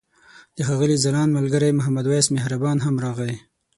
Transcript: د ښاغلي ځلاند ملګری محمد وېس مهربان هم راغی.